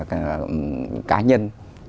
cái cá nhân